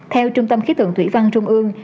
theo trung tâm khí tượng thủy văn trung ương